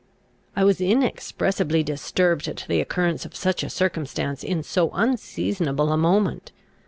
I was inexpressibly disturbed at the occurrence of such a circumstance in so unseasonable a moment.